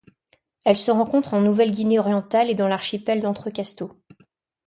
Elle se rencontre en Nouvelle-Guinée orientale et dans l'archipel d'Entrecasteaux.